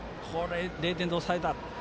０点で抑えた。